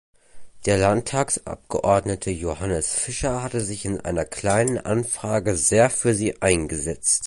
Der Landtagsabgeordnete Johannes Fischer hatte sich in einer kleinen Anfrage sehr für sie eingesetzt.